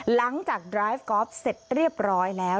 หลังจากไลฟ์กอล์ฟเสร็จเรียบร้อยแล้ว